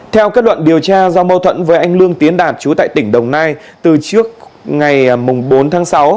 theo kết luận điều tra do mâu thuẫn với anh lương tiến đạt chú tại tỉnh đồng nai từ trước ngày bốn tháng sáu